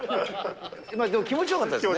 でも気持ちよかったですよね。